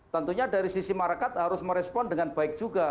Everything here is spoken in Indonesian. tentunya dari sisi market harus merespon dengan baik juga